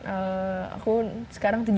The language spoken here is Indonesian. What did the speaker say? aku sekarang tujuh belas